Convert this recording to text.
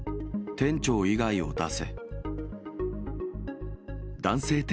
店長以外を出男性